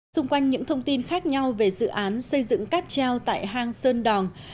xung quanh những thông tin khác nhau về dự án xây dựng cắt treo tại hang sơn đòng